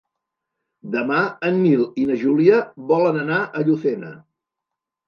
Demà en Nil i na Júlia volen anar a Llucena.